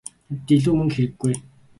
Надад илүү мөнгө хэрэггүй ээ.